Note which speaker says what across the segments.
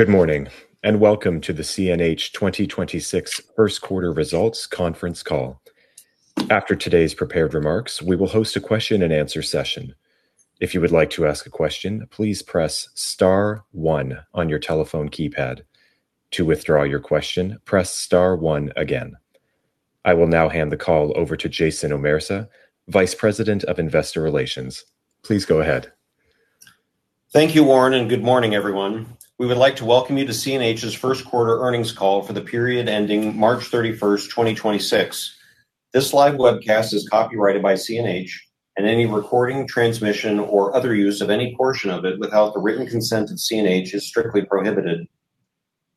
Speaker 1: Good morning, welcome to the CNH 2026 first quarter results conference call. After today's prepared remarks, we will host a question and answer session. If you would like to ask a question, please press star one on your telephone keypad. To withdraw your question, press star one again. I will now hand the call over to Jason Omerza, Vice President of Investor Relations. Please go ahead.
Speaker 2: Thank you, Warren, and good morning, everyone. We would like to welcome you to CNH's first quarter earnings call for the period ending March 31st, 2026. This live webcast is copyrighted by CNH, and any recording, transmission, or other use of any portion of it without the written consent of CNH is strictly prohibited.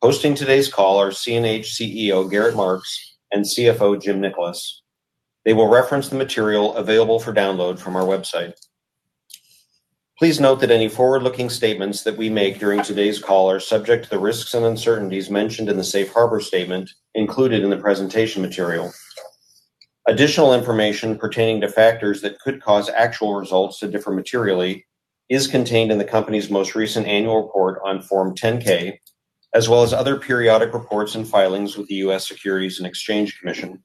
Speaker 2: Hosting today's call are CNH CEO, Gerrit Marx, and CFO, Jim Nickolas. They will reference the material available for download from our website. Please note that any forward-looking statements that we make during today's call are subject to the risks and uncertainties mentioned in the safe harbor statement included in the presentation material. Additional information pertaining to factors that could cause actual results to differ materially is contained in the company's most recent annual report on Form 10-K, as well as other periodic reports and filings with the U.S. Securities and Exchange Commission.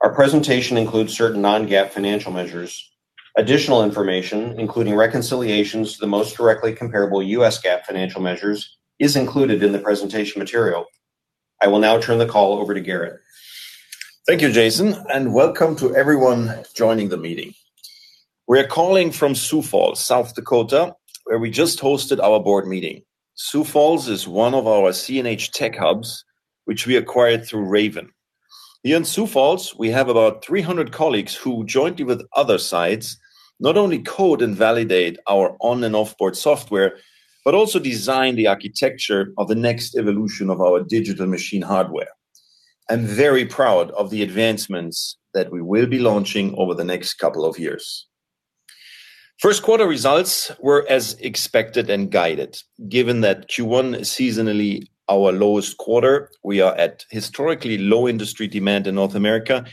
Speaker 2: Our presentation includes certain non-GAAP financial measures. Additional information, including reconciliations to the most directly comparable U.S. GAAP financial measures, is included in the presentation material. I will now turn the call over to Gerrit.
Speaker 3: Thank you, Jason, and welcome to everyone joining the meeting. We're calling from Sioux Falls, South Dakota, where we just hosted our board meeting. Sioux Falls is one of our CNH tech hubs, which we acquired through Raven. Here in Sioux Falls, we have about 300 colleagues who, jointly with other sites, not only code and validate our on and off-board software but also design the architecture of the next evolution of our digital machine hardware. I'm very proud of the advancements that we will be launching over the next couple of years. First quarter results were as expected and guided, given that Q1 is seasonally our lowest quarter. We are at historically low industry demand in North America,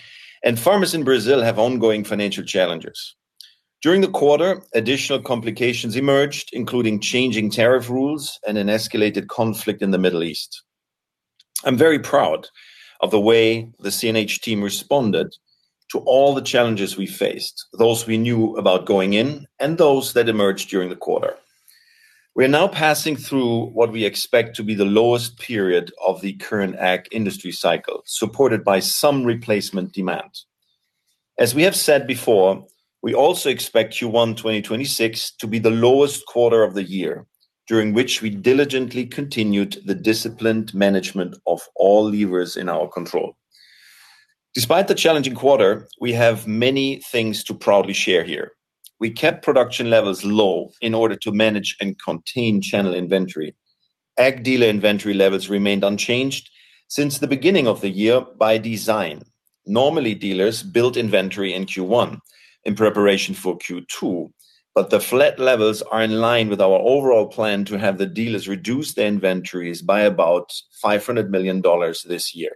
Speaker 3: and farmers in Brazil have ongoing financial challenges. During the quarter, additional complications emerged, including changing tariff rules and an escalated conflict in the Middle East. I'm very proud of the way the CNH team responded to all the challenges we faced, those we knew about going in and those that emerged during the quarter. We are now passing through what we expect to be the lowest period of the current ag industry cycle, supported by some replacement demand. As we have said before, we also expect Q1 2026 to be the lowest quarter of the year, during which we diligently continued the disciplined management of all levers in our control. Despite the challenging quarter, we have many things to proudly share here. We kept production levels low in order to manage and contain channel inventory. Ag dealer inventory levels remained unchanged since the beginning of the year by design. Normally, dealers build inventory in Q1 in preparation for Q2. The flat levels are in line with our overall plan to have the dealers reduce their inventories by about $500 million this year.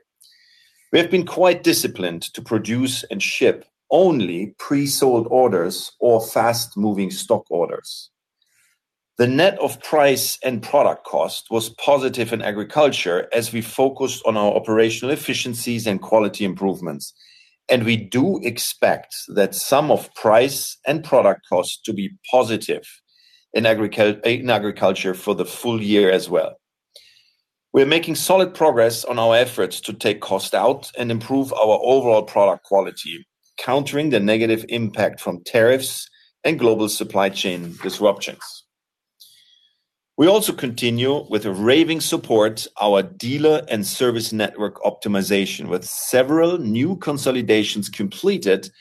Speaker 3: We have been quite disciplined to produce and ship only pre-sold orders or fast-moving stock orders. The net of price and product cost was positive in agriculture as we focused on our operational efficiencies and quality improvements, and we do expect that sum of price and product cost to be positive in agriculture for the full year as well. We're making solid progress on our efforts to take cost out and improve our overall product quality, countering the negative impact from tariffs and global supply chain disruptions. We also continue with Raven support our dealer and service network optimization with several new consolidations completed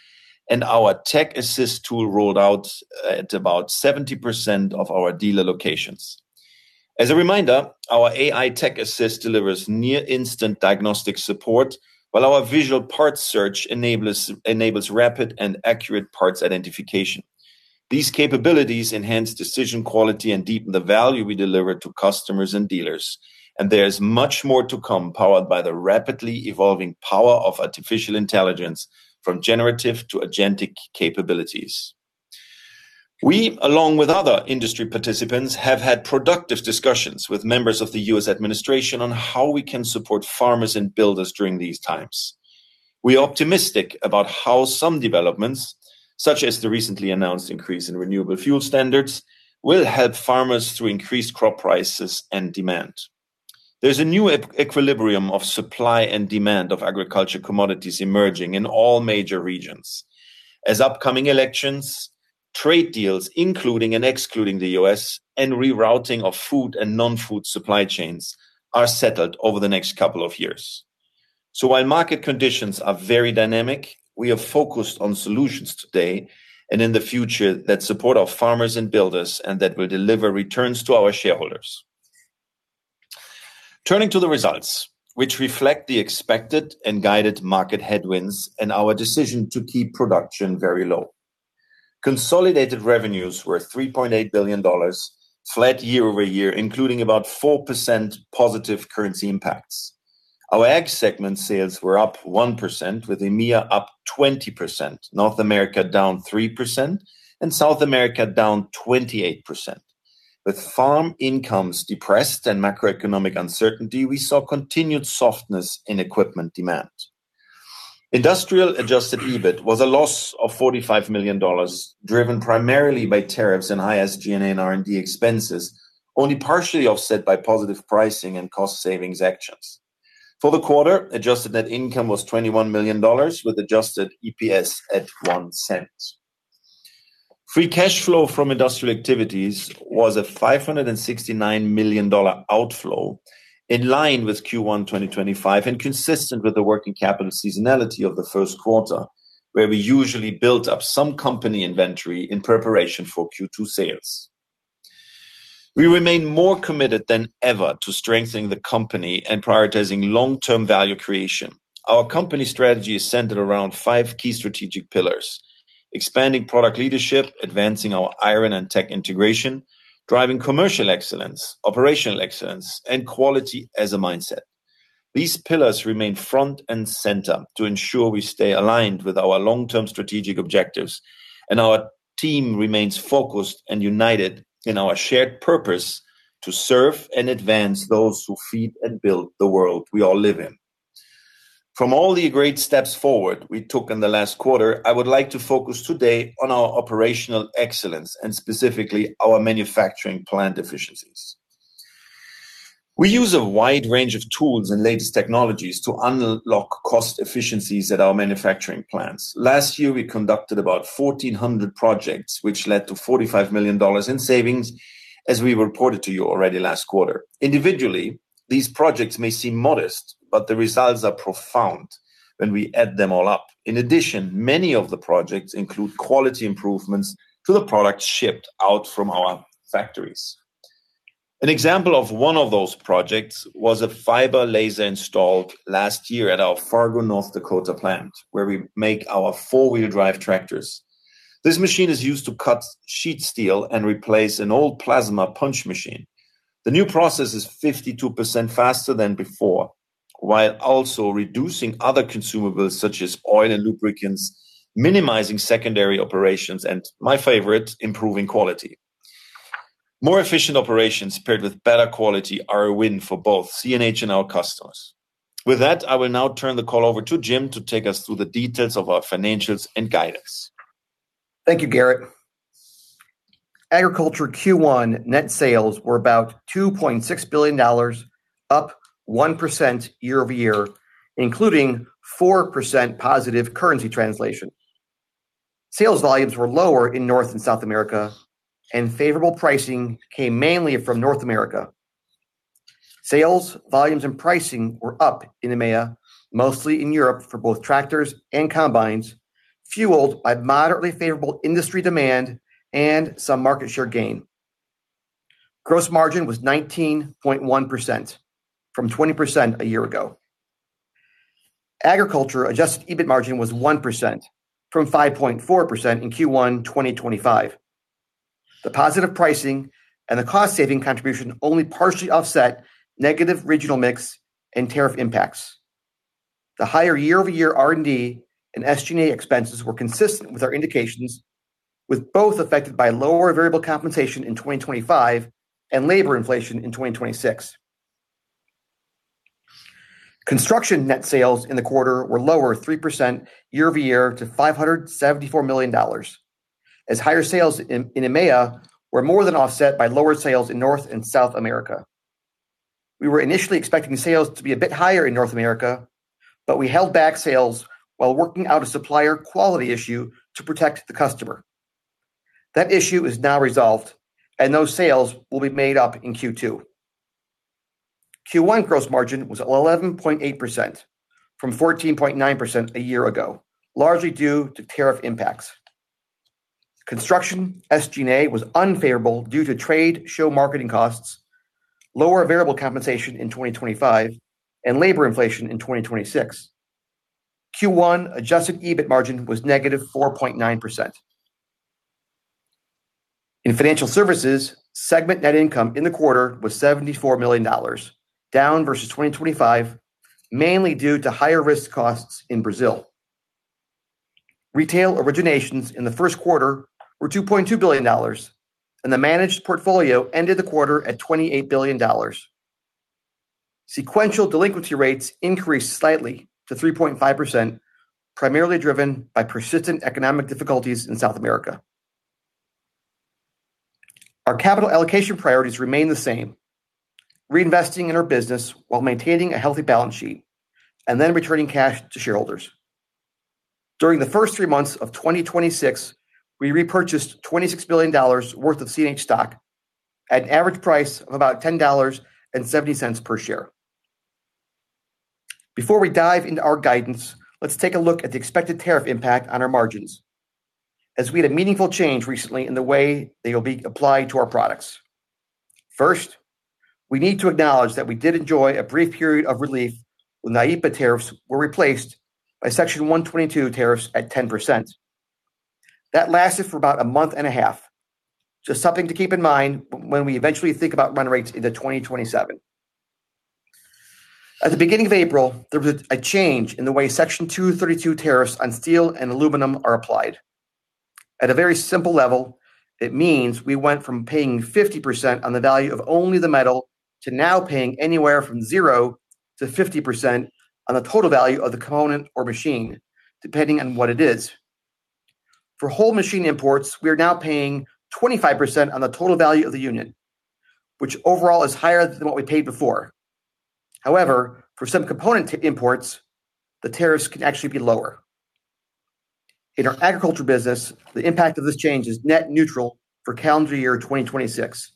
Speaker 3: and our AI Tech Assist tool rolled out at about 70% of our dealer locations. As a reminder, our AI Tech Assist delivers near instant diagnostic support, while our Visual Parts Search enables rapid and accurate parts identification. These capabilities enhance decision quality and deepen the value we deliver to customers and dealers. There's much more to come powered by the rapidly evolving power of artificial intelligence from generative to agentic capabilities. We, along with other industry participants, have had productive discussions with members of the U.S. administration on how we can support farmers and builders during these times. We are optimistic about how some developments, such as the recently announced increase in renewable fuel standards, will help farmers to increase crop prices and demand. There's a new equilibrium of supply and demand of agriculture commodities emerging in all major regions as upcoming elections, trade deals, including and excluding the U.S., and rerouting of food and non-food supply chains are settled over the next couple of years. While market conditions are very dynamic, we are focused on solutions today and in the future that support our farmers and builders and that will deliver returns to our shareholders. Turning to the results, which reflect the expected and guided market headwinds and our decision to keep production very low. Consolidated revenues were $3.8 billion, flat year-over-year, including about 4% positive currency impacts. Our Ag segment sales were up 1% with EMEA up 20%, North America down 3%, and South America down 28%. With farm incomes depressed and macroeconomic uncertainty, we saw continued softness in equipment demand. Industrial adjusted EBIT was a loss of $45 million, driven primarily by tariffs and highest G&A and R&D expenses, only partially offset by positive pricing and cost savings actions. For the quarter, adjusted net income was $21 million with adjusted EPS at $0.01. Free cash flow from industrial activities was a $569 million outflow, in line with Q1 2025 and consistent with the working capital seasonality of the first quarter, where we usually build up some company inventory in preparation for Q2 sales. We remain more committed than ever to strengthening the company and prioritizing long-term value creation. Our company strategy is centered around five key strategic pillars: expanding product leadership, advancing our iron and tech integration, driving commercial excellence, operational excellence, and quality as a mindset. These pillars remain front and center to ensure we stay aligned with our long-term strategic objectives. Our team remains focused and united in our shared purpose to serve and advance those who feed and build the world we all live in. From all the great steps forward we took in the last quarter, I would like to focus today on our operational excellence and specifically our manufacturing plant efficiencies. We use a wide range of tools and latest technologies to unlock cost efficiencies at our manufacturing plants. Last year, we conducted about 1,400 projects, which led to $45 million in savings, as we reported to you already last quarter. Individually, these projects may seem modest. The results are profound when we add them all up. In addition, many of the projects include quality improvements to the products shipped out from our factories. An example of one of those projects was a fiber laser installed last year at our Fargo, North Dakota plant, where we make our four-wheel drive tractors. This machine is used to cut sheet steel and replace an old plasma punch machine. The new process is 52% faster than before, while also reducing other consumables such as oil and lubricants, minimizing secondary operations, and my favorite, improving quality. More efficient operations paired with better quality are a win for both CNH and our customers. With that, I will now turn the call over to Jim to take us through the details of our financials and guidance.
Speaker 4: Thank you, Gerrit. Agriculture Q1 net sales were about $2.6 billion, up 1% year-over-year, including 4% positive currency translation. Sales volumes were lower in North and South America. Favorable pricing came mainly from North America. Sales, volumes, and pricing were up in EMEA, mostly in Europe for both tractors and combines, fueled by moderately favorable industry demand and some market share gain. Gross margin was 19.1% from 20% a year ago. Agriculture adjusted EBIT margin was 1% from 5.4% in Q1 2025. The positive pricing and the cost-saving contribution only partially offset negative regional mix and tariff impacts. The higher year-over-year R&D and SG&A expenses were consistent with our indications, with both affected by lower variable compensation in 2025 and labor inflation in 2026. Construction net sales in the quarter were lower 3% year-over-year to $574 million, as higher sales in EMEA were more than offset by lower sales in North and South America. We were initially expecting sales to be a bit higher in North America, but we held back sales while working out a supplier quality issue to protect the customer. That issue is now resolved, and those sales will be made up in Q2. Q1 gross margin was 11.8% from 14.9% a year ago, largely due to tariff impacts. Construction SG&A was unfavorable due to trade show marketing costs, lower variable compensation in 2025, and labor inflation in 2026. Q1 adjusted EBIT margin was -4.9%. In financial services, segment net income in the quarter was $74 million, down versus 2025, mainly due to higher risk costs in Brazil. Retail originations in the first quarter were $2.2 billion, and the managed portfolio ended the quarter at $28 billion. Sequential delinquency rates increased slightly to 3.5%, primarily driven by persistent economic difficulties in South America. Our capital allocation priorities remain the same, reinvesting in our business while maintaining a healthy balance sheet and then returning cash to shareholders. During the first three months of 2026, we repurchased $26 billion worth of CNH stock at an average price of about $10.70 per share. Before we dive into our guidance, let's take a look at the expected tariff impact on our margins, as we had a meaningful change recently in the way they will be applied to our products. First, we need to acknowledge that we did enjoy a brief period of relief when IEEPA tariffs were replaced by Section 122 tariffs at 10%. That lasted for about a month and a half. Just something to keep in mind when we eventually think about run rates into 2027. At the beginning of April, there was a change in the way Section 232 tariffs on steel and aluminum are applied. At a very simple level, it means we went from paying 50% on the value of only the metal to now paying anywhere from 0%-50% on the total value of the component or machine, depending on what it is. For whole machine imports, we are now paying 25% on the total value of the unit, which overall is higher than what we paid before. For some component imports, the tariffs can actually be lower. In our agriculture business, the impact of this change is net neutral for calendar year 2026.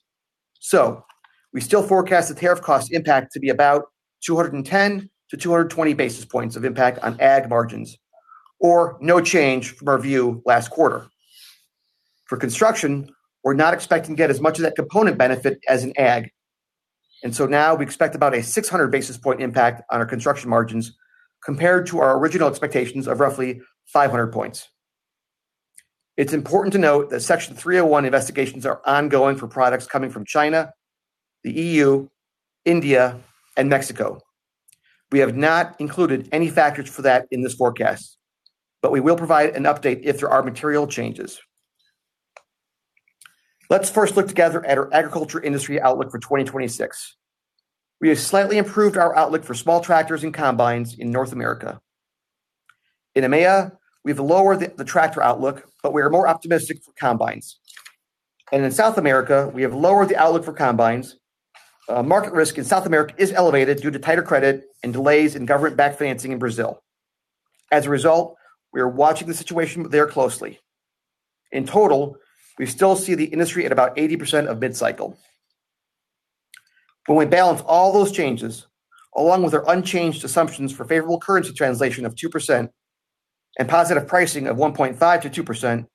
Speaker 4: We still forecast the tariff cost impact to be about 210-220 basis points of impact on ag margins, or no change from our view last quarter. For construction, we're not expecting to get as much of that component benefit as in Ag, now we expect about a 600 basis point impact on our construction margins compared to our original expectations of roughly 500 points. It's important to note that Section 301 investigations are ongoing for products coming from China, the EU, India, and Mexico. We have not included any factors for that in this forecast. We will provide an update if there are material changes. Let's first look together at our Agriculture industry outlook for 2026. We have slightly improved our outlook for small tractors and combines in North America. In EMEA, we've lowered the tractor outlook. We are more optimistic for combines. In South America, we have lowered the outlook for combines. Market risk in South America is elevated due to tighter credit and delays in government-backed financing in Brazil. As a result, we are watching the situation there closely. In total, we still see the industry at about 80% of mid-cycle. When we balance all those changes, along with our unchanged assumptions for favorable currency translation of 2% and positive pricing of 1.5%-2%,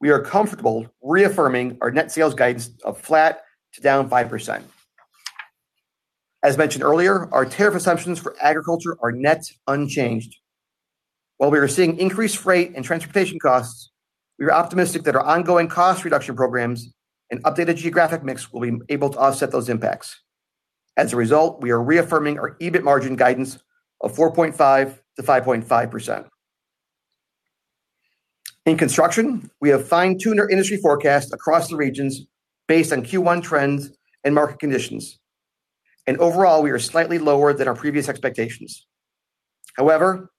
Speaker 4: we are comfortable reaffirming our net sales guidance of flat to down 5%. As mentioned earlier, our tariff assumptions for agriculture are net unchanged. While we are seeing increased freight and transportation costs, we are optimistic that our ongoing cost reduction programs and updated geographic mix will be able to offset those impacts. As a result, we are reaffirming our EBIT margin guidance of 4.5%-5.5%. In construction, we have fine-tuned our industry forecast across the regions based on Q1 trends and market conditions. Overall, we are slightly lower than our previous expectations. However,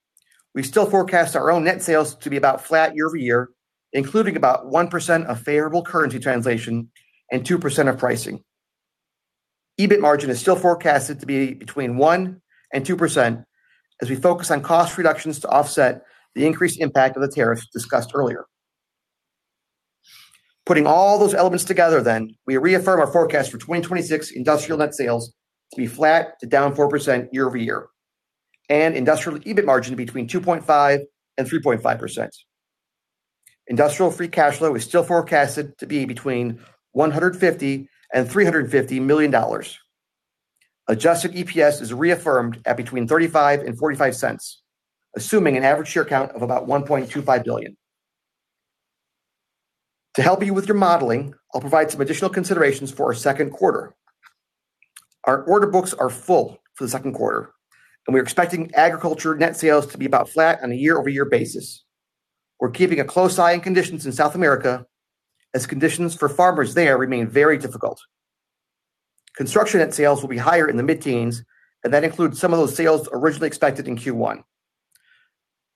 Speaker 4: we still forecast our own net sales to be about flat year-over-year, including about 1% of favorable currency translation and 2% of pricing. EBIT margin is still forecasted to be between 1% and 2% as we focus on cost reductions to offset the increased impact of the tariffs discussed earlier. Putting all those elements together then, we reaffirm our forecast for 2026 industrial net sales to be flat to down 4% year-over-year, and industrial EBIT margin between 2.5% and 3.5%. Industrial free cash flow is still forecasted to be between $150 million and $350 million. Adjusted EPS is reaffirmed at between $0.35 and $0.45, assuming an average share count of about 1.25 billion. To help you with your modeling, I'll provide some additional considerations for our second quarter. Our order books are full for the second quarter, and we're expecting agriculture net sales to be about flat on a year-over-year basis. We're keeping a close eye on conditions in South America as conditions for farmers there remain very difficult. Construction net sales will be higher in the mid-teens, and that includes some of those sales originally expected in Q1.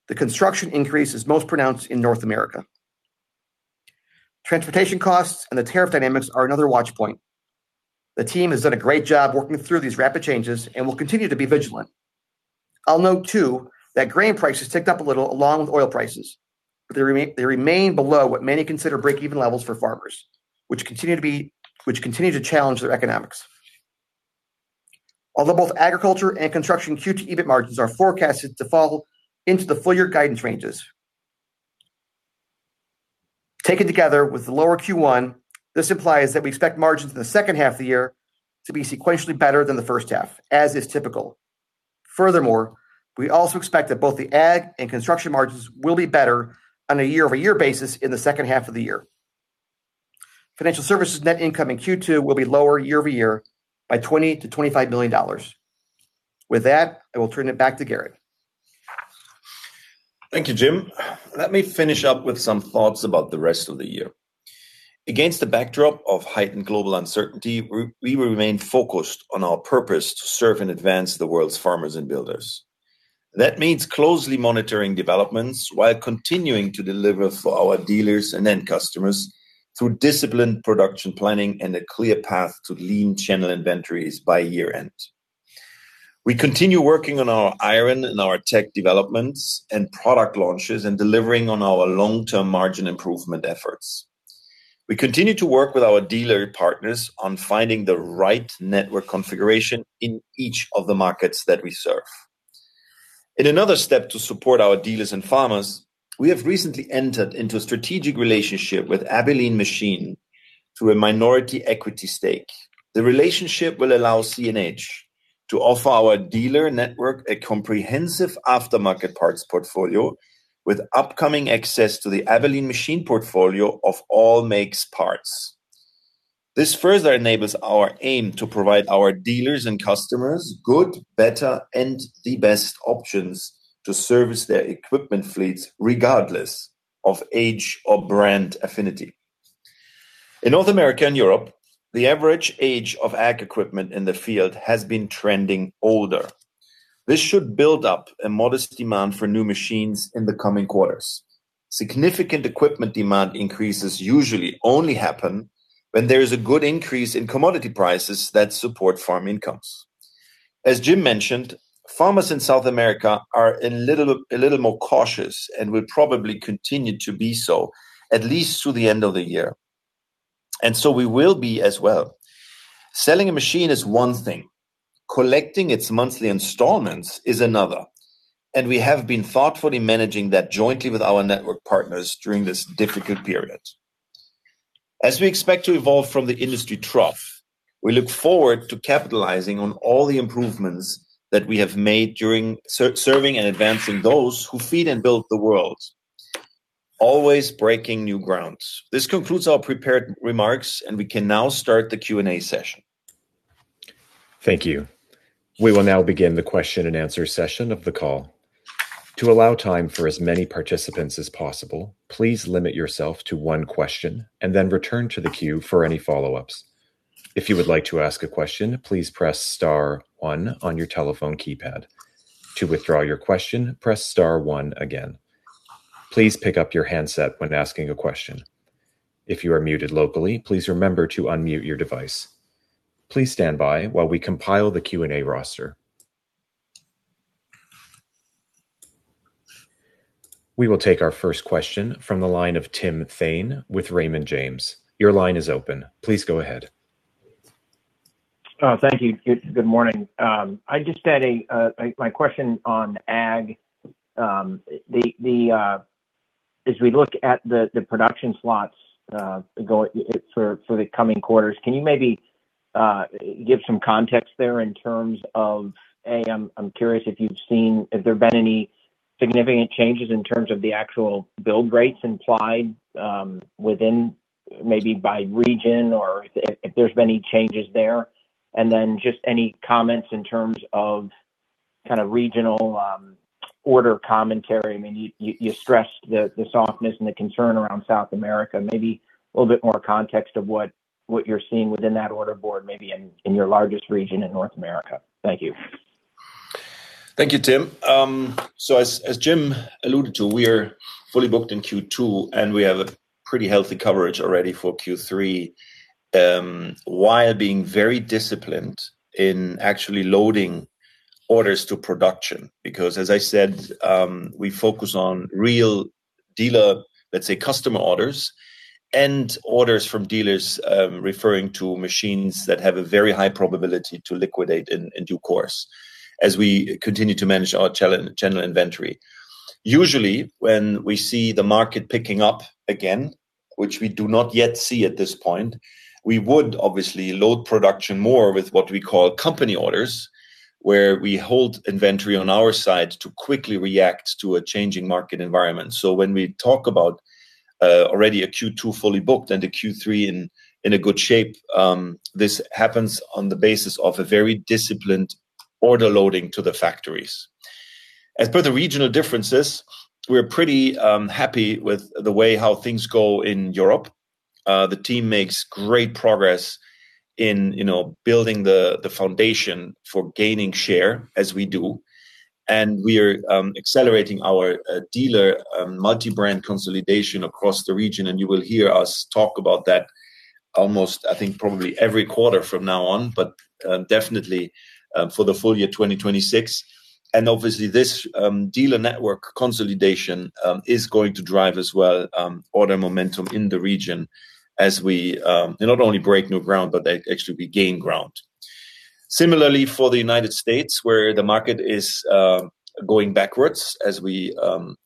Speaker 4: The construction increase is most pronounced in North America. Transportation costs and the tariff dynamics are another watch point. The team has done a great job working through these rapid changes and will continue to be vigilant. I'll note too that grain prices ticked up a little along with oil prices, but they remain below what many consider break-even levels for farmers, which continue to challenge their economics. Although both agriculture and construction Q2 EBIT margins are forecasted to fall into the full year guidance ranges. Taken together with the lower Q1, this implies that we expect margins in the second half of the year to be sequentially better than the first half, as is typical. Furthermore, we also expect that both the ag and construction margins will be better on a year-over-year basis in the second half of the year. Financial services net income in Q2 will be lower year-over-year by $20 million-$25 million. With that, I will turn it back to Gerrit.
Speaker 3: Thank you, Jim. Let me finish up with some thoughts about the rest of the year. Against the backdrop of heightened global uncertainty, we remain focused on our purpose to serve and advance the world's farmers and builders. That means closely monitoring developments while continuing to deliver for our dealers and end customers through disciplined production planning and a clear path to lean channel inventories by year-end. We continue working on our iron and our tech developments and product launches and delivering on our long-term margin improvement efforts. We continue to work with our dealer partners on finding the right network configuration in each of the markets that we serve. In another step to support our dealers and farmers, we have recently entered into a strategic relationship with Abilene Machine through a minority equity stake. The relationship will allow CNH to offer our dealer network a comprehensive aftermarket parts portfolio with upcoming access to the Abilene Machine portfolio of all makes parts. This further enables our aim to provide our dealers and customers good, better, and the best options to service their equipment fleets regardless of age or brand affinity. In North America and Europe, the average age of ag equipment in the field has been trending older. This should build up a modest demand for new machines in the coming quarters. Significant equipment demand increases usually only happen when there is a good increase in commodity prices that support farm incomes. As Jim mentioned, farmers in South America are a little more cautious and will probably continue to be so, at least through the end of the year. We will be as well. Selling a machine is one thing. Collecting its monthly installments is another, and we have been thoughtfully managing that jointly with our network partners during this difficult period. As we expect to evolve from the industry trough, we look forward to capitalizing on all the improvements that we have made during serving and advancing those who feed and build the world, always breaking new grounds. This concludes our prepared remarks, and we can now start the Q&A session.
Speaker 1: Thank you. We will now begin the question and answer session of the call. To allow time for as many participants as possible, please limit yourself to one question and then return to the queue for any follow-ups. If you would like to ask a question, please press star one on your telephone keypad. To withdraw your question, press star one again. Please pick up your handset when asking a question. If you are muted locally, please remember to unmute your device. Please stand by while we compile the Q&A roster. We will take our first question from the line of Tim Thein with Raymond James. Your line is open. Please go ahead.
Speaker 5: Thank you. Good morning. I just had my question on Ag. The, as we look at the production slots for the coming quarters, can you maybe give some context there in terms of, I'm curious if you've seen, have there been any significant changes in terms of the actual build rates implied within maybe by region or if there's been any changes there? Then just any comments in terms of kind of regional order commentary. I mean, you stressed the softness and the concern around South America. Maybe a little bit more context of what you're seeing within that order board, maybe in your largest region in North America. Thank you.
Speaker 3: Thank you, Tim. As, as Jim alluded to, we are fully booked in Q2, and we have a pretty healthy coverage already for Q3, while being very disciplined in actually loading orders to production. Because as I said, we focus on real dealer, let's say customer orders and orders from dealers, referring to machines that have a very high probability to liquidate in due course as we continue to manage our general inventory. Usually, when we see the market picking up again, which we do not yet see at this point, we would obviously load production more with what we call company orders, where we hold inventory on our side to quickly react to a changing market environment. When we talk about already a Q2 fully booked and a Q3 in a good shape, this happens on the basis of a very disciplined order loading to the factories. As per the regional differences, we're pretty happy with the way how things go in Europe. The team makes great progress in, you know, building the foundation for gaining share as we do. And we are accelerating our dealer multi-brand consolidation across the region, and you will hear us talk about that almost, I think, probably every quarter from now on, but definitely for the full year 2026. And obviously this dealer network consolidation is going to drive as well order momentum in the region as we not only break new ground, but actually we gain ground. Similarly for the United States, where the market is going backwards as we,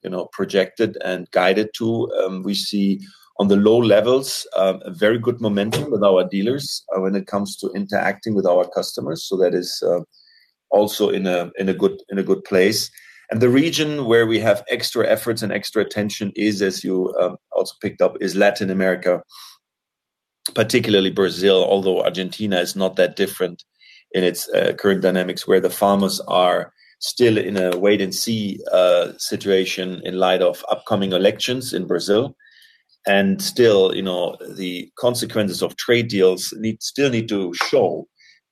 Speaker 3: you know, projected and guided to, we see on the low levels a very good momentum with our dealers when it comes to interacting with our customers. That is also in a good place. The region where we have extra efforts and extra attention is, as you also picked up, is Latin America, particularly Brazil, although Argentina is not that different in its current dynamics, where the farmers are still in a wait and see situation in light of upcoming elections in Brazil. Still, you know, the consequences of trade deals still need to show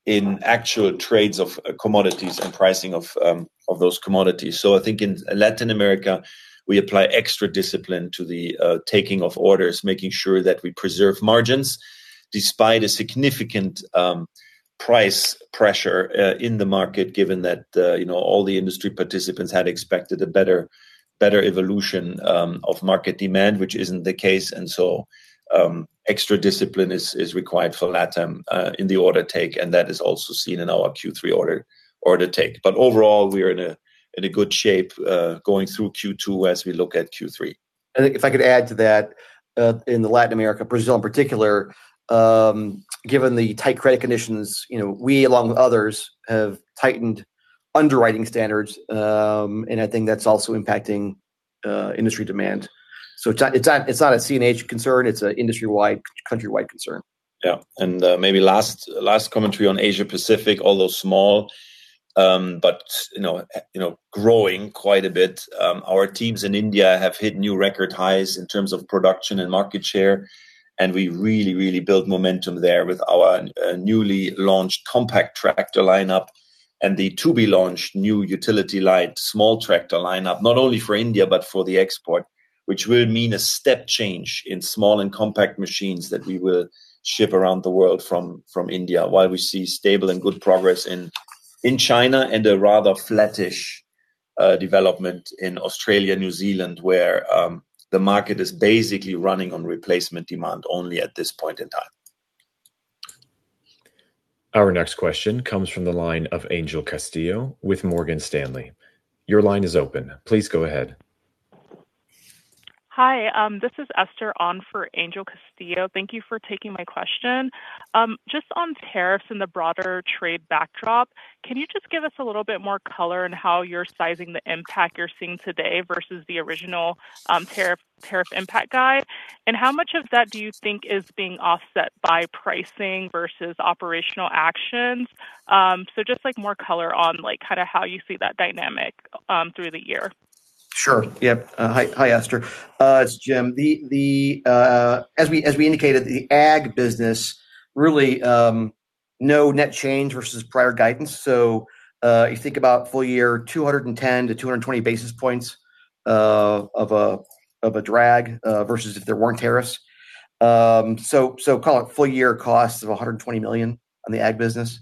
Speaker 3: in actual trades of commodities and pricing of those commodities. I think in Latin America, we apply extra discipline to the taking of orders, making sure that we preserve margins despite a significant price pressure in the market, given that, you know, all the industry participants had expected a better evolution of market demand, which isn't the case. Extra discipline is required for LATAM in the order take, and that is also seen in our Q3 order take. Overall, we are in a good shape going through Q2 as we look at Q3.
Speaker 4: I think if I could add to that, in Latin America, Brazil in particular, given the tight credit conditions, you know, we along with others have tightened underwriting standards. I think that's also impacting industry demand. It's not a CNH concern, it's an industry-wide, countrywide concern.
Speaker 3: Yeah. Maybe last commentary on Asia Pacific, although small, you know, you know, growing quite a bit. Our teams in India have hit new record highs in terms of production and market share, and we really build momentum there with our newly launched compact tractor lineup and the to-be-launched new utility light small tractor lineup, not only for India, but for the export, which will mean a step change in small and compact machines that we will ship around the world from India, while we see stable and good progress in China and a rather flattish development in Australia, New Zealand, where the market is basically running on replacement demand only at this point in time.
Speaker 1: Our next question comes from the line of Angel Castillo with Morgan Stanley. Your line is open. Please go ahead.
Speaker 6: Hi. This is Esther on for Angel Castillo. Thank you for taking my question. Just on tariffs in the broader trade backdrop, can you just give us a little bit more color on how you're sizing the impact you're seeing today versus the original tariff impact guide? How much of that do you think is being offset by pricing versus operational actions? Just like more color on like kinda how you see that dynamic through the year.
Speaker 4: Sure. Hi, Esther. It's Jim. As we indicated, the Ag business really no net change versus prior guidance. You think about full year 210 to 220 basis points of a drag versus if there weren't tariffs. Call it full year costs of $120 million on the ag business.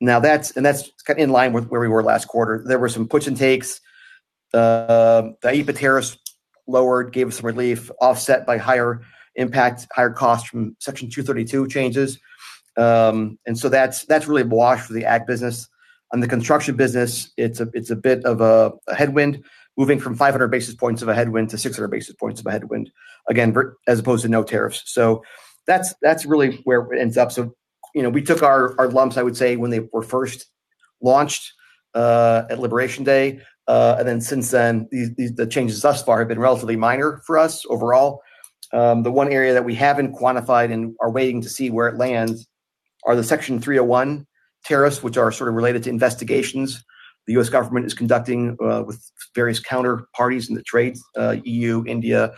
Speaker 4: Now that's kind of in line with where we were last quarter. There were some puts and takes. The EPA tariffs lowered, gave us some relief, offset by higher impact, higher costs from Section 232 changes. That's really a wash for the Ag business. On the construction business, it's a bit of a headwind, moving from 500 basis points of a headwind to 600 basis points of a headwind, again, as opposed to no tariffs. That's really where it ends up. You know, we took our lumps, I would say, when they were first launched at Liberation Day. Then since then, these the changes thus far have been relatively minor for us overall. The one area that we haven't quantified and are waiting to see where it lands are the Section 301 tariffs, which are sort of related to investigations the U.S. government is conducting with various counterparties in the trades, E.U., India,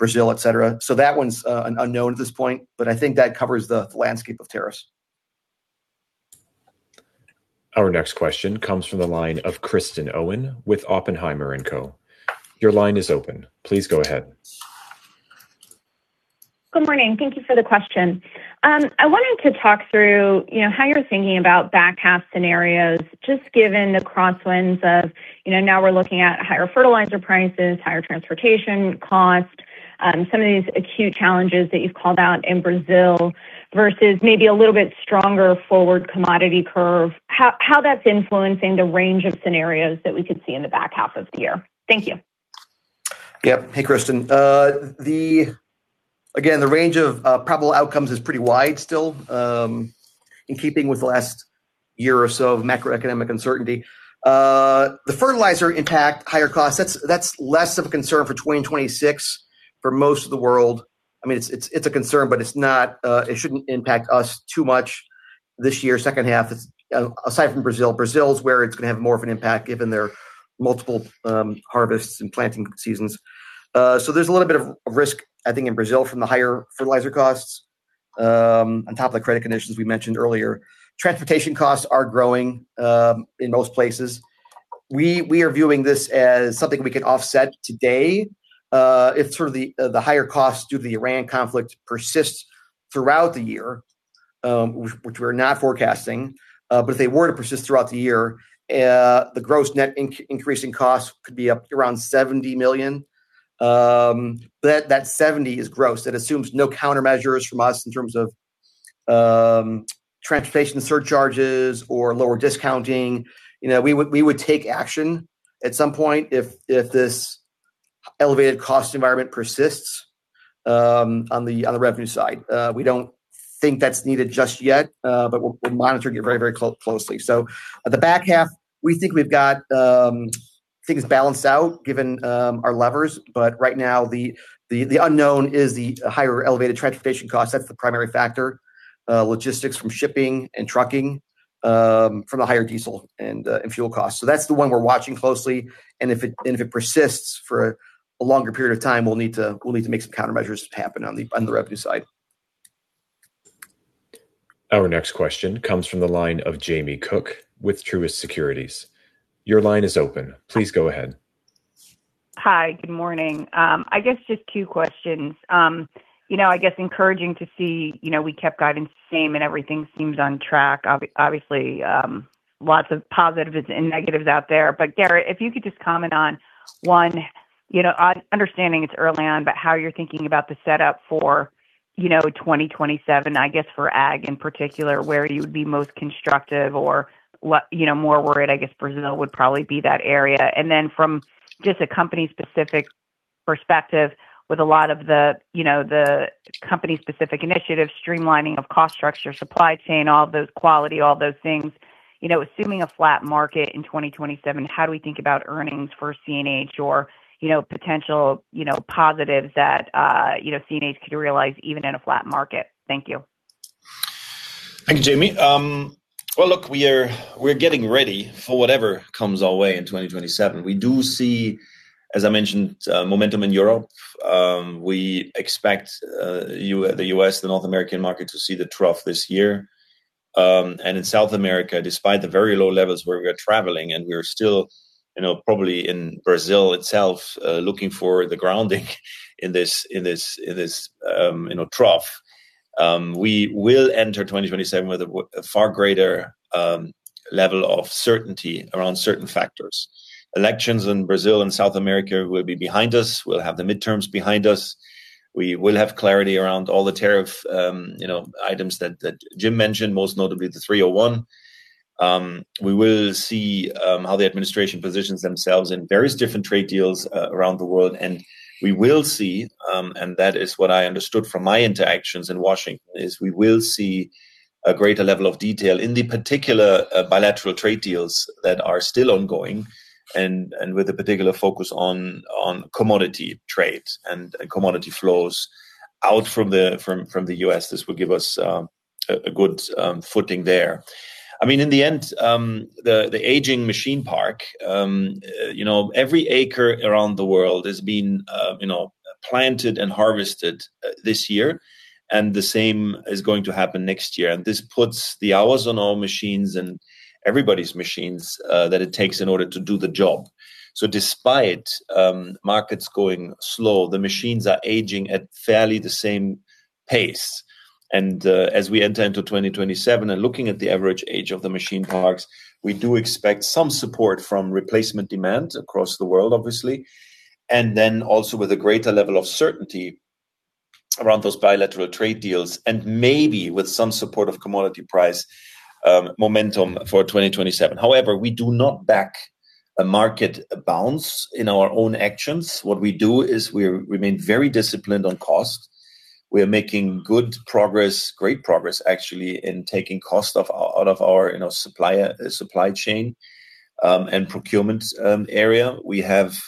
Speaker 4: Brazil, et cetera. That one's an unknown at this point, but I think that covers the landscape of tariffs.
Speaker 1: Our next question comes from the line of Kristen Owen with Oppenheimer & Co. Your line is open. Please go ahead.
Speaker 7: Good morning. Thank you for the question. I wanted to talk through, you know, how you're thinking about back half scenarios, just given the crosswinds of, you know, now we're looking at higher fertilizer prices, higher transportation costs, some of these acute challenges that you've called out in Brazil, versus maybe a little bit stronger forward commodity curve, how that's influencing the range of scenarios that we could see in the back half of the year. Thank you.
Speaker 4: Yep. Hey, Kristen. The, again, the range of probable outcomes is pretty wide still, in keeping with the last year or so of macroeconomic uncertainty. The fertilizer impact, higher costs, that's less of a concern for 2026 for most of the world. I mean, it's a concern, but it's not, it shouldn't impact us too much this year, second half. It's aside from Brazil. Brazil is where it's gonna have more of an impact given their multiple harvests and planting seasons. There's a little bit of risk, I think, in Brazil from the higher fertilizer costs, on top of the credit conditions we mentioned earlier. Transportation costs are growing in most places. We are viewing this as something we can offset today, if sort of the higher costs due to the Iran conflict persist throughout the year, which we're not forecasting. If they were to persist throughout the year, the gross net increase in costs could be up around $70 million. That $70 million is gross. That assumes no countermeasures from us in terms of transportation surcharges or lower discounting. You know, we would take action at some point if this elevated cost environment persists on the revenue side. We don't think that's needed just yet, we're monitoring it very closely. The back half, we think we've got things balanced out given our levers, but right now the unknown is the higher elevated transportation costs. That's the primary factor. Logistics from shipping and trucking, from the higher diesel and fuel costs. That's the one we're watching closely, and if it persists for a longer period of time, we'll need to make some countermeasures happen on the revenue side.
Speaker 1: Our next question comes from the line of Jamie Cook with Truist Securities. Your line is open. Please go ahead.
Speaker 8: Hi. Good morning. I guess just two questions. You know, I guess encouraging to see, you know, we kept guiding the same and everything seems on track. Obviously, lots of positives and negatives out there. Gerrit, if you could just comment on, one, understanding it's early on, how you're thinking about the setup for 2027, I guess, for ag in particular, where you would be most constructive or what, more worried, I guess Brazil would probably be that area. Then from just a company-specific perspective with a lot of the, you know, the company-specific initiatives, streamlining of cost structure, supply chain, all those quality, all those things. You know, assuming a flat market in 2027, how do we think about earnings for CNH or, you know, potential, you know, positives that, you know, CNH could realize even in a flat market? Thank you.
Speaker 3: Thank you, Jamie. Well, look, we're getting ready for whatever comes our way in 2027. We do see, as I mentioned, momentum in Europe. We expect the U.S., the North American market to see the trough this year. In South America, despite the very low levels where we are traveling, and we're still, you know, probably in Brazil itself, looking for the grounding in this trough, we will enter 2027 with a far greater level of certainty around certain factors. Elections in Brazil and South America will be behind us. We'll have the midterms behind us. We will have clarity around all the tariff, you know, items that Jim mentioned, most notably the 301. We will see how the administration positions themselves in various different trade deals around the world. We will see, and that is what I understood from my interactions in Washington, is we will see a greater level of detail in the particular bilateral trade deals that are still ongoing and with a particular focus on commodity trades and commodity flows out from the U.S. This will give us a good footing there. I mean, in the end, the aging machine park, you know, every acre around the world has been, you know, planted and harvested this year, and the same is going to happen next year. This puts the hours on all machines and everybody's machines that it takes in order to do the job. Despite markets going slow, the machines are aging at fairly the same pace. As we enter into 2027 and looking at the average age of the machine parks, we do expect some support from replacement demand across the world, obviously, and then also with a greater level of certainty around those bilateral trade deals and maybe with some support of commodity price momentum for 2027. However, we do not back a market bounce in our own actions. What we do is we remain very disciplined on cost. We are making good progress, great progress actually, in taking cost out of our, you know, supplier, supply chain, and procurement area. We have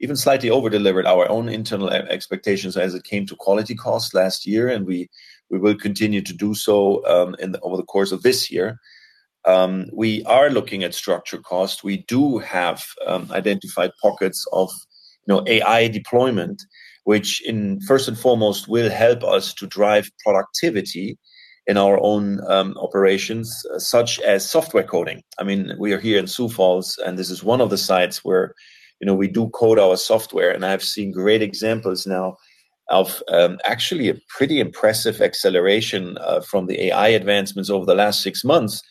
Speaker 3: even slightly over-delivered our own internal e-expectations as it came to quality cost last year, and we will continue to do so over the course of this year. We are looking at structure cost. We do have identified pockets of, you know, AI deployment, which first and foremost, will help us to drive productivity in our own operations, such as software coding. I mean, we are here in Sioux Falls, and this is one of the sites where, you know, we do code our software. I've seen great examples now of actually a pretty impressive acceleration from the AI advancements over the last six months,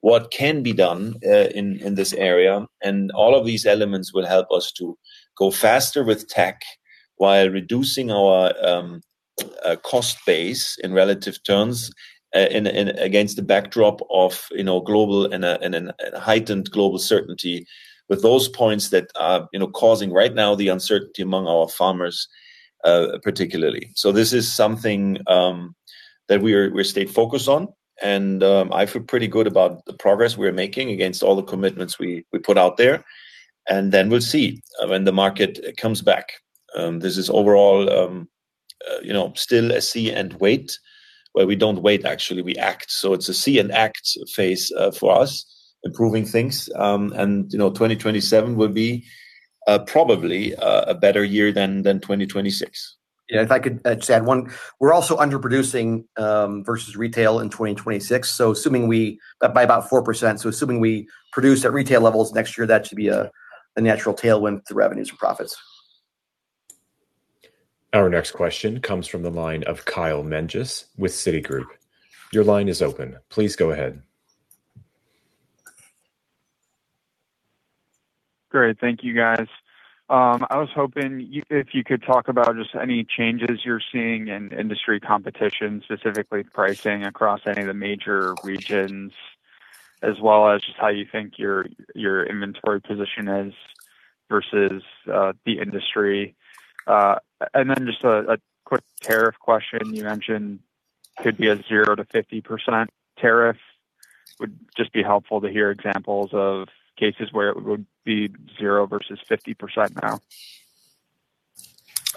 Speaker 3: what can be done in this area. All of these elements will help us to go faster with tech while reducing our cost base in relative terms and against the backdrop of, you know, global and an heightened global certainty with those points that are, you know, causing right now the uncertainty among our farmers particularly. This is something that we are, we stay focused on. I feel pretty good about the progress we're making against all the commitments we put out there. Then we'll see when the market comes back. This is overall, you know, still a see and wait, where we don't wait, actually, we act. It's a see and act phase for us improving things. You know, 2027 will be probably a better year than 2026.
Speaker 4: If I could just add one. We're also underproducing versus retail in 2026, by about 4%. Assuming we produce at retail levels next year, that should be a natural tailwind to revenues and profits.
Speaker 1: Our next question comes from the line of Kyle Menges with Citigroup. Your line is open. Please go ahead.
Speaker 9: Great. Thank you, guys. I was hoping if you could talk about just any changes you're seeing in industry competition, specifically pricing across any of the major regions, as well as just how you think your inventory position is versus the industry. Then just a quick tariff question. You mentioned could be a 0%-50% tariff. Would just be helpful to hear examples of cases where it would be 0% versus 50% now.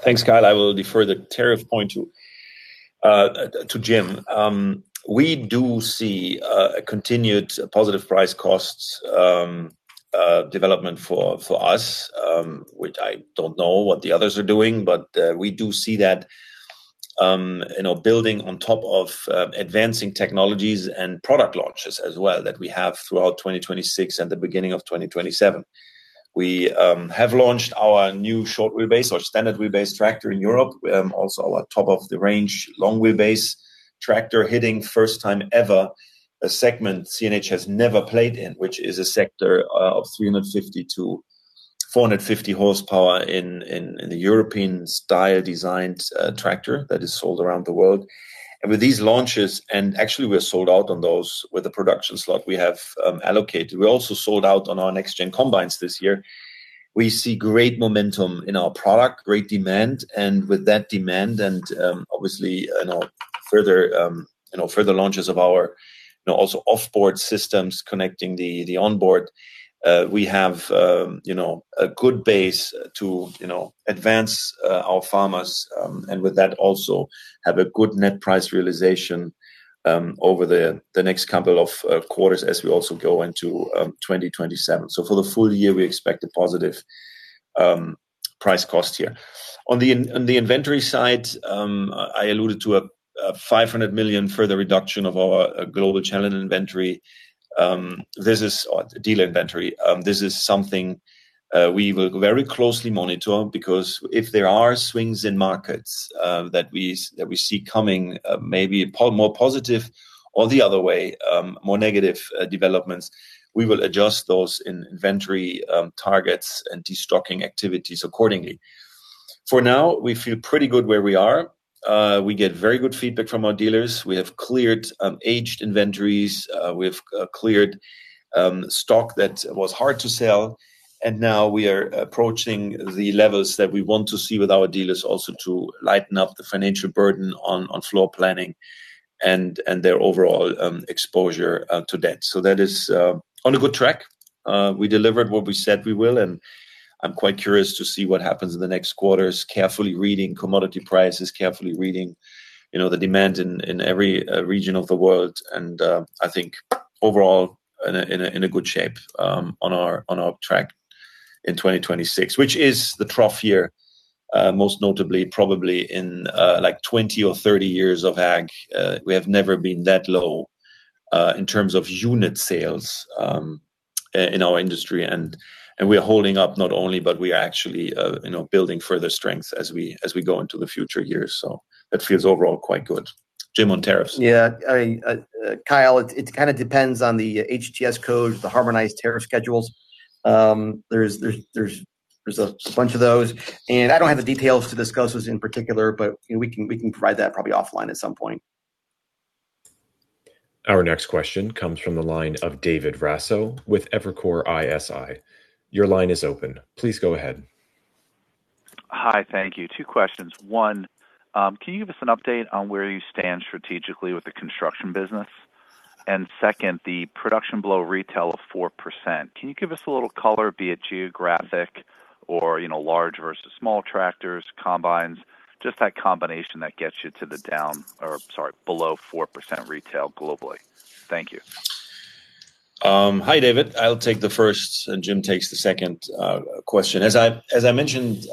Speaker 3: Thanks, Kyle. I will defer the tariff point to Jim. We do see a continued positive price costs development for us, which I don't know what the others are doing, but we do see that, you know, building on top of advancing technologies and product launches as well that we have throughout 2026 and the beginning of 2027. We have launched our new short wheelbase or standard wheelbase tractor in Europe. Also our top of the range long wheelbase tractor hitting first time ever a segment CNH has never played in, which is a sector of 350-450 horsepower in the European style designed tractor that is sold around the world. With these launches, actually we're sold out on those with the production slot we have allocated. We also sold out on our next gen combines this year. We see great momentum in our product, great demand. With that demand and obviously, you know, further, you know, further launches of our, you know, also off-board systems connecting the onboard, we have, you know, a good base to, you know, advance our farmers, and with that also have a good net price realization over the next couple of quarters as we also go into 2027. For the full year, we expect a positive price cost here. On the inventory side, I alluded to a $500 million further reduction of our global channel inventory. This is, or dealer inventory. This is something we will very closely monitor because if there are swings in markets that we see coming, more positive or the other way, more negative developments, we will adjust those in inventory targets and de-stocking activities accordingly. For now, we feel pretty good where we are. We get very good feedback from our dealers. We have cleared aged inventories. We've cleared stock that was hard to sell, and now we are approaching the levels that we want to see with our dealers also to lighten up the financial burden on floor planning and their overall exposure to debt. That is on a good track. We delivered what we said we will. I'm quite curious to see what happens in the next quarters, carefully reading commodity prices, carefully reading, you know, the demand in every region of the world. I think overall in a good shape, on our, on our track in 2026, which is the trough year, most notably probably in, like, 20 or 30 years of Ag. We have never been that low, in terms of unit sales, in our industry. We're holding up not only, but we are actually, you know, building further strength as we, as we go into the future years. That feels overall quite good. Jim, on tariffs.
Speaker 4: Yeah. I, Kyle, it kind of depends on the HTS codes, the Harmonized Tariff Schedule. There's a bunch of those. I don't have the details to discuss those in particular, but, you know, we can provide that probably offline at some point.
Speaker 1: Our next question comes from the line of David Raso with Evercore ISI. Your line is open. Please go ahead.
Speaker 10: Hi. Thank you. Two questions. One, can you give us an update on where you stand strategically with the construction business? Second, the production below retail of 4%, can you give us a little color, be it geographic or, you know, large versus small tractors, combines, just that combination that gets you to the down or, sorry, below 4% retail globally? Thank you.
Speaker 3: Hi, David. I'll take the first, and Jim takes the second question. As I, as I mentioned,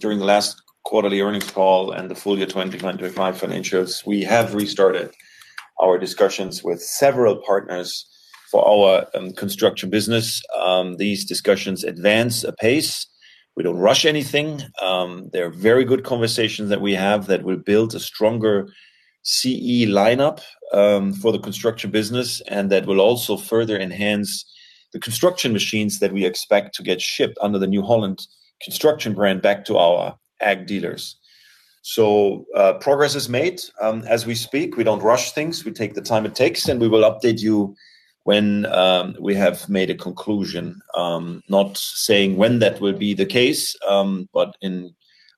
Speaker 3: during the last quarterly earnings call and the full year 2025 financials, we have restarted our discussions with several partners for our construction business. These discussions advance apace. We don't rush anything. They're very good conversations that we have that will build a stronger CE lineup for the construction business and that will also further enhance the construction machines that we expect to get shipped under the New Holland construction brand back to our ag dealers. Progress is made as we speak. We don't rush things. We take the time it takes, and we will update you when we have made a conclusion. Not saying when that will be the case, but in,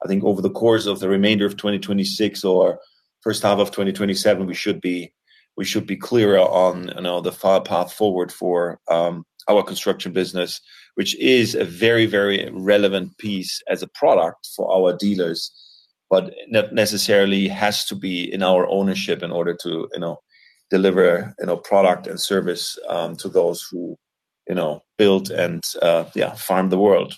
Speaker 3: I think over the course of the remainder of 2026 or first half of 2027, we should be clearer on, you know, the path forward for our construction business, which is a very, very relevant piece as a product for our dealers, but necessarily has to be in our ownership in order to, you know, deliver, you know, product and service to those who, you know, build and farm the world.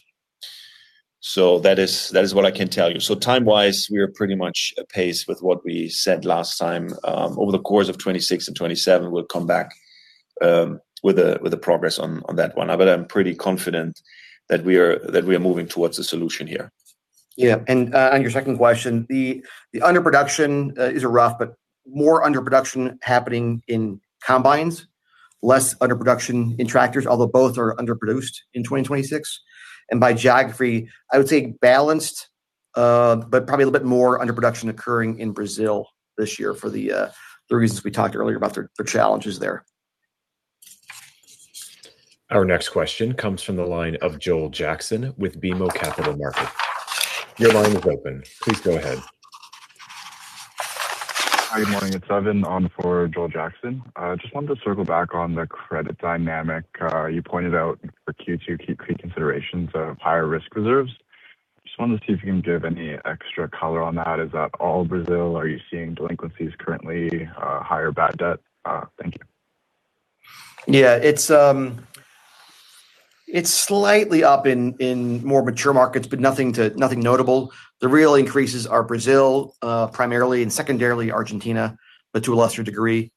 Speaker 3: That is what I can tell you. Time-wise, we are pretty much apace with what we said last time. Over the course of 2026 and 2027, we'll come back with the progress on that one. I'm pretty confident that we are moving towards a solution here.
Speaker 4: Yeah. On your second question, the underproduction is rough, but more underproduction happening in combines, less underproduction in tractors, although both are underproduced in 2026. By geography, I would say balanced, but probably a little bit more underproduction occurring in Brazil this year for the reasons we talked earlier about the challenges there.
Speaker 1: Our next question comes from the line of Joel Jackson with BMO Capital Markets. Your line is open. Please go ahead.
Speaker 11: Hi. Good morning. It's Evan on for Joel Jackson. Just wanted to circle back on the credit dynamic. You pointed out for Q2 key considerations of higher risk reserves. Just wanted to see if you can give any extra color on that. Is that all Brazil? Are you seeing delinquencies currently, higher bad debt? Thank you.
Speaker 4: Yeah. It's slightly up in more mature markets, but nothing notable. The real increases are Brazil, primarily, and secondarily Argentina, but to a lesser degree.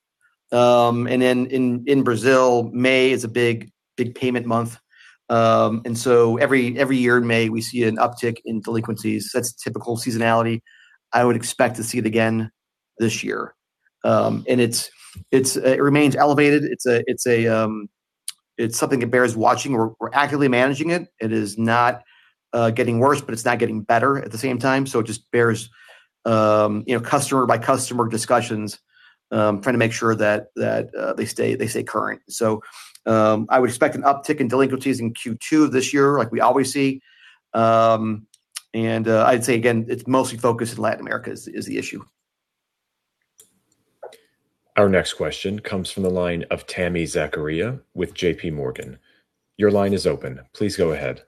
Speaker 4: In Brazil, May is a big payment month. Every year in May, we see an uptick in delinquencies. That's typical seasonality. I would expect to see it again this year. It's, it remains elevated. It's something that bears watching. We're actively managing it. It is not getting worse, it's not getting better at the same time. It just bears, you know, customer by customer discussions, trying to make sure that they stay current. I would expect an uptick in delinquencies in Q2 of this year like we always see. I'd say again, it's mostly focused in Latin America is the issue.
Speaker 1: Our next question comes from the line of Tami Zakaria with JPMorgan. Your line is open. Please go ahead.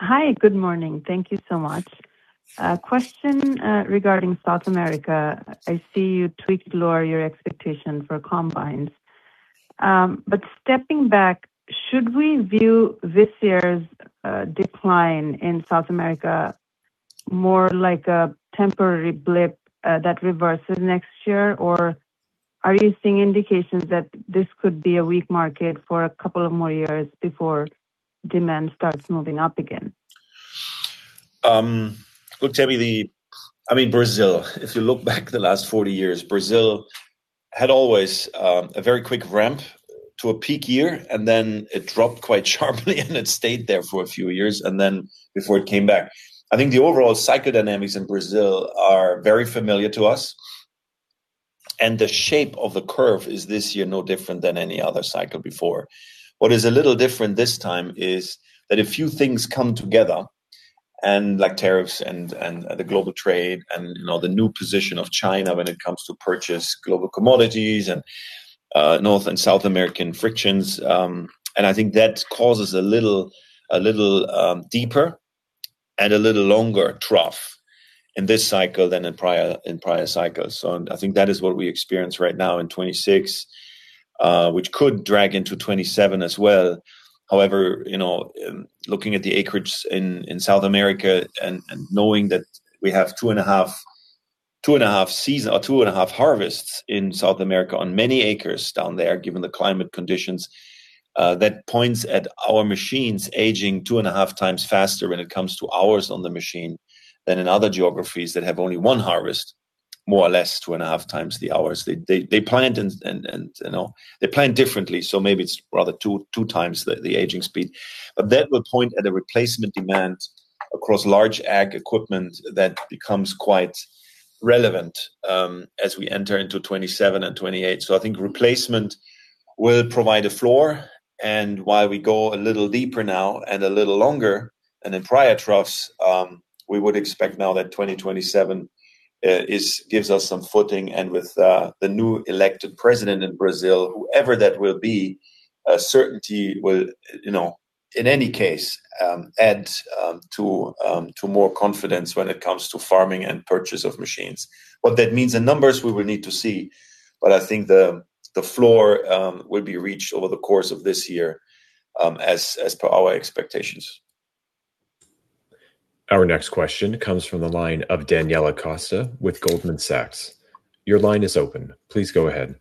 Speaker 12: Hi. Good morning. Thank you so much. A question regarding South America. I see you tweaked lower your expectation for combines. Stepping back, should we view this year's decline in South America more like a temporary blip that reverses next year? Or are you seeing indications that this could be a weak market for couple more years before demand starts moving up again?
Speaker 3: Look, Tami, I mean, Brazil, if you look back the last 40 years, Brazil had always a very quick ramp to a peak year, and then it dropped quite sharply and it stayed there for a few years and then before it came back. I think the overall psychodynamics in Brazil are very familiar to us, and the shape of the curve is this year no different than any other cycle before. What is a little different this time is that a few things come together and, like tariffs and the global trade and, you know, the new position of China when it comes to purchase global commodities and North and South American frictions. And I think that causes a little deeper and a little longer trough in this cycle than in prior cycles. I think that is what we experience right now in 2026, which could drag into 2027 as well. However, you know, looking at the acreage in South America and knowing that we have two and a half season or two and a half harvests in South America on many acres down there, given the climate conditions, that points at our machines aging two and a half times faster when it comes to hours on the machine than in other geographies that have only one harvest, more or less two and a half times the hours. They plant and you know, they plant differently, maybe it's rather two times the aging speed. That will point at a replacement demand across large ag equipment that becomes quite relevant as we enter into 2027 and 2028. I think replacement will provide a floor and while we go a little deeper now and a little longer, and in prior troughs, we would expect now that 2027 gives us some footing. With the new elected president in Brazil, whoever that will be, certainty will, you know, in any case, add to more confidence when it comes to farming and purchase of machines. What that means in numbers we will need to see, but I think the floor will be reached over the course of this year as per our expectations.
Speaker 1: Our next question comes from the line of Daniela Costa with Goldman Sachs. Your line is open. Please go ahead.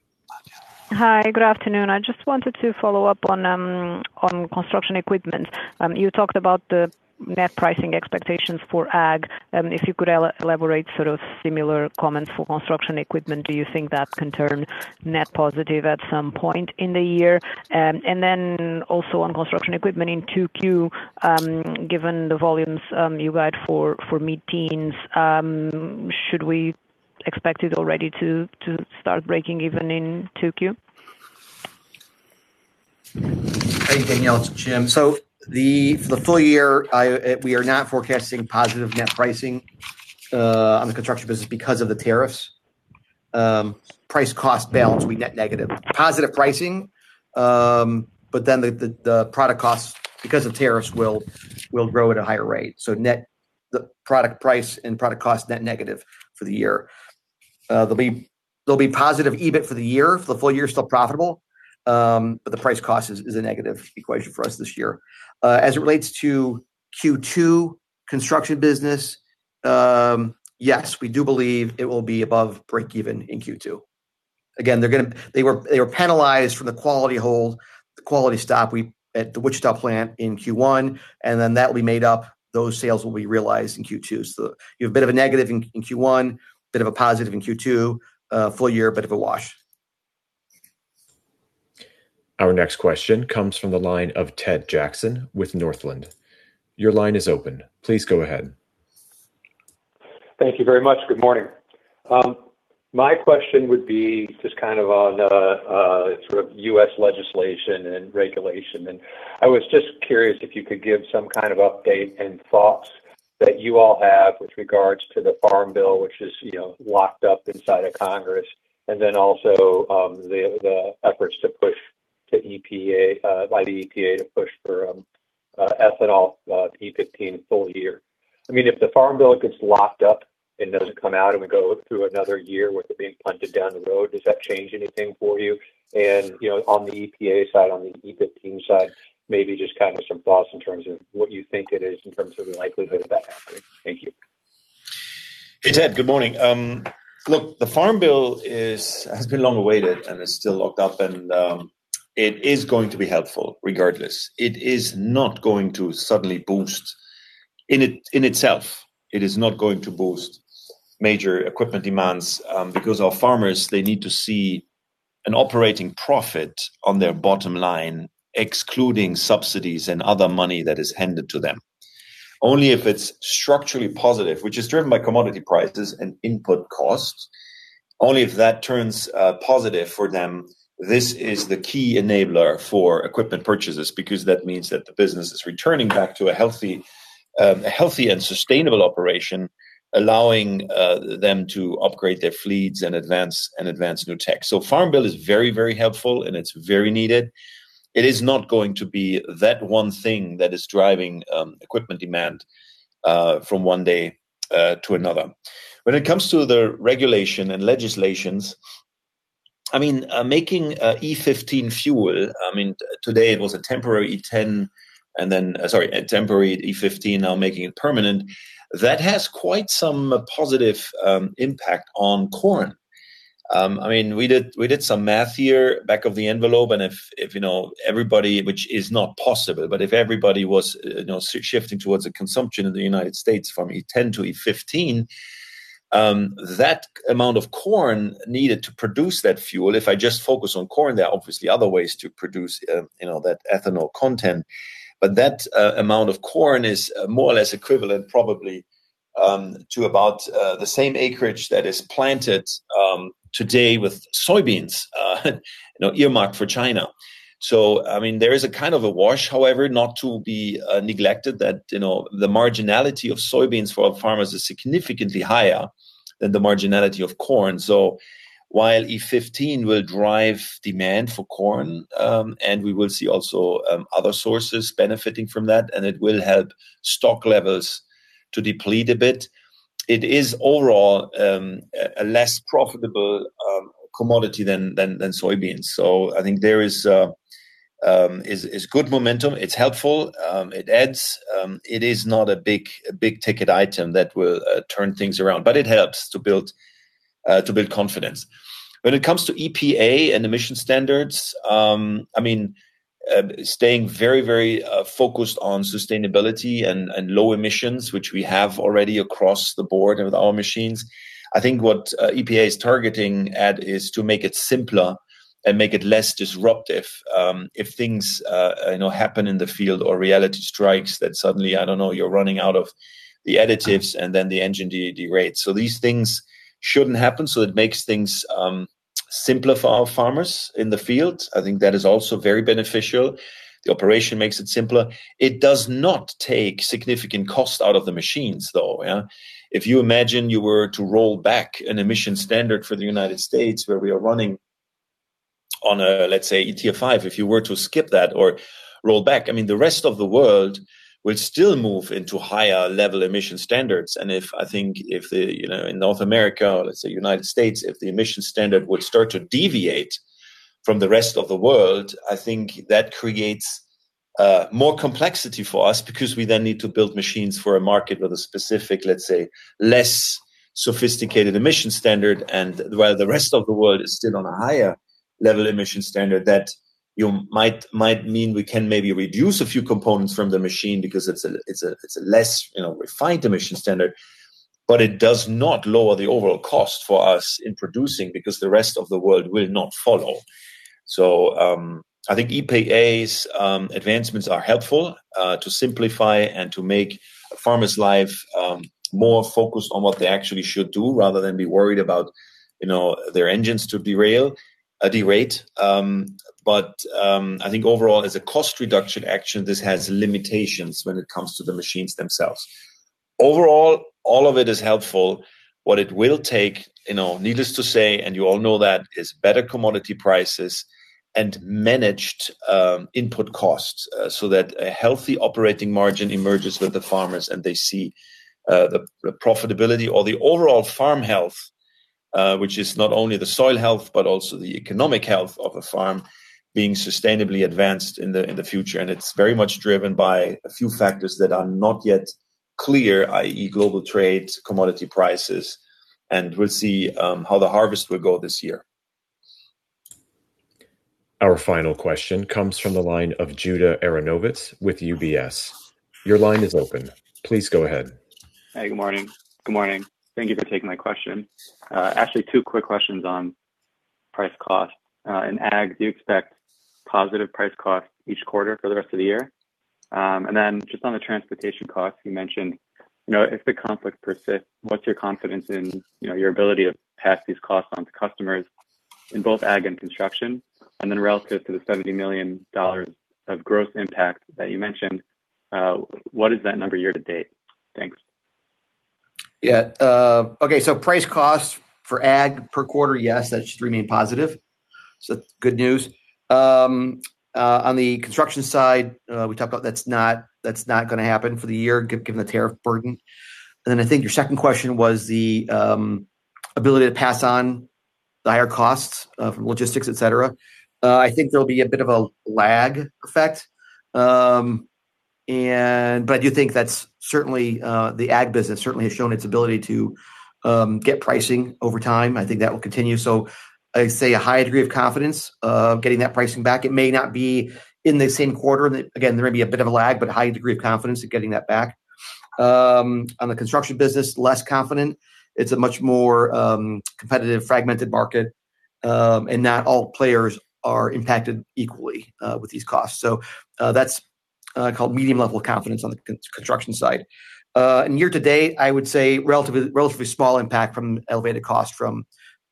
Speaker 13: Hi. Good afternoon. I just wanted to follow up on construction equipment. You talked about the net pricing expectations for ag. If you could elaborate sort of similar comments for construction equipment. Do you think that can turn net positive at some point in the year? Then also on construction equipment in 2Q, given the volumes, you guide for mid-teens, should we expect it already to start breaking even in 2Q?
Speaker 4: Hey, Daniela, it's Jim. The, for the full year, I, we are not forecasting positive net pricing on the construction business because of the tariffs. Price cost balance, we net negative. Positive pricing, the, the product costs because of tariffs will grow at a higher rate. Net, the product price and product cost net negative for the year. There'll be positive EBIT for the year, for the full year, still profitable. The price cost is a negative equation for us this year. As it relates to Q2 construction business, yes, we do believe it will be above break even in Q2. Again, they were penalized from the quality hold, the quality stop we at the Wichita plant in Q1, and then that will be made up. Those sales will be realized in Q2. You have a bit of a negative in Q1, bit of a positive in Q2. Full year, a bit of a wash.
Speaker 1: Our next question comes from the line of Ted Jackson with Northland. Your line is open. Please go ahead.
Speaker 14: Thank you very much. Good morning. My question would be just kind of on, sort of U.S. legislation and regulation, and I was just curious if you could give some kind of update and thoughts that you all have with regards to the Farm Bill, which is, you know, locked up inside of Congress, and then also, the efforts to push to EPA, by the EPA to push for, ethanol, E15 full year. I mean, if the Farm Bill gets locked up and doesn't come out, and we go through another year with it being punted down the road, does that change anything for you? You know, on the EPA side, on the E15 side, maybe just kind of some thoughts in terms of what you think it is in terms of the likelihood of that happening. Thank you.
Speaker 3: Hey, Ted. Good morning. Look, the Farm Bill has been long awaited and is still locked up and it is going to be helpful regardless. It is not going to suddenly boost in itself, it is not going to boost major equipment demands, because our farmers, they need to see an operating profit on their bottom line, excluding subsidies and other money that is handed to them. Only if it's structurally positive, which is driven by commodity prices and input costs. Only if that turns positive for them, this is the key enabler for equipment purchases because that means that the business is returning back to a healthy and sustainable operation, allowing them to upgrade their fleets and advance new tech. Farm Bill is very helpful and it's very needed. It is not going to be that one thing that is driving equipment demand from one day to another. When it comes to the regulation and legislations, I mean, making E15 fuel, I mean, today it was a temporary E15, now making it permanent. That has quite some positive impact on corn. I mean, we did some math here, back of the envelope, and if, you know, everybody, which is not possible, but if everybody was, you know, shifting towards the consumption in the U.S. from E10 to E15, that amount of corn needed to produce that fuel, if I just focus on corn, there are obviously other ways to produce, you know, that ethanol content. That amount of corn is more or less equivalent probably to about the same acreage that is planted today with soybeans earmarked for China. There is a kind of a wash, however, not to be neglected that the marginality of soybeans for our farmers is significantly higher than the marginality of corn. While E15 will drive demand for corn, and we will see also other sources benefiting from that, and it will help stock levels to deplete a bit, it is overall a less profitable commodity than soybeans. I think there is good momentum. It's helpful. It adds. It is not a big-ticket item that will turn things around. It helps to build confidence. When it comes to EPA and emission standards, I mean, staying very, very focused on sustainability and low emissions, which we have already across the board with our machines. I think what EPA is targeting at is to make it simpler and make it less disruptive. If things, you know, happen in the field or reality strikes that suddenly, I don't know, you're running out of the additives and then the engine derates. These things shouldn't happen, so it makes things simpler for our farmers in the field. I think that is also very beneficial. The operation makes it simpler. It does not take significant cost out of the machines though, yeah? If you imagine you were to roll back an emission standard for the United States where we are running on a, let's say, Tier 5. If you were to skip that or roll back, I mean, the rest of the world will still move into higher level emission standards. If, I think, if the, you know, in North America, let's say United States, if the emission standard would start to deviate from the rest of the world, I think that creates more complexity for us because we then need to build machines for a market with a specific, let's say, less sophisticated emission standard and while the rest of the world is still on a higher level emission standard that you might mean we can maybe reduce a few components from the machine because it's a less, you know, refined emission standard. It does not lower the overall cost for us in producing because the rest of the world will not follow. I think EPA's advancements are helpful to simplify and to make a farmer's life more focused on what they actually should do rather than be worried about, you know, their engines to derail, derate. I think overall as a cost reduction action, this has limitations when it comes to the machines themselves. Overall, all of it is helpful. What it will take, you know, needless to say, and you all know that, is better commodity prices and managed input costs so that a healthy operating margin emerges with the farmers and they see the profitability or the overall farm health, which is not only the soil health, but also the economic health of a farm being sustainably advanced in the future. It's very much driven by a few factors that are not yet clear, i.e., global trade, commodity prices. We'll see how the harvest will go this year.
Speaker 1: Our final question comes from the line of Judah Aronowitz with UBS. Your line is open. Please go ahead.
Speaker 15: Hey, good morning. Good morning. Thank you for taking my question. Actually two quick questions on price cost. In ag, do you expect positive price cost each quarter for the rest of the year? Then just on the transportation cost, you mentioned, you know, if the conflict persists, what's your confidence in, you know, your ability to pass these costs on to customers in both ag and construction? Relative to the $70 million of gross impact that you mentioned, what is that number year to date? Thanks.
Speaker 4: Price costs for ag per quarter, that should remain positive. Good news. On the construction side, we talked about that's not, that's not going to happen for the year given the tariff burden. I think your second question was the ability to pass on the higher costs from logistics, et cetera. I think there'll be a bit of a lag effect. I do think that's certainly the ag business certainly has shown its ability to get pricing over time. I think that will continue. I say a high degree of confidence of getting that pricing back. It may not be in the same quarter. Again, there may be a bit of a lag, but a high degree of confidence of getting that back. On the construction business, less confident. It's a much more competitive, fragmented market, and not all players are impacted equally with these costs. That's called medium level of confidence on the construction side. Year to date, I would say relatively small impact from elevated cost from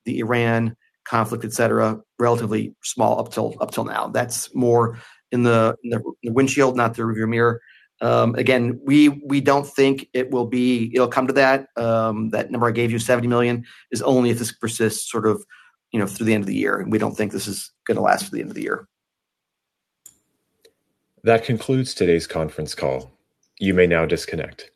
Speaker 4: the Iran conflict, et cetera. Relatively small up till now. That's more in the windshield, not the rear view mirror. Again, we don't think it'll come to that. That number I gave you, 70 million, is only if this persists sort of, you know, through the end of the year. We don't think this is gonna last to the end of the year.
Speaker 1: That concludes today's conference call. You may now disconnect.